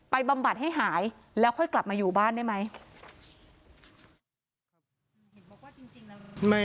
บำบัดให้หายแล้วค่อยกลับมาอยู่บ้านได้ไหม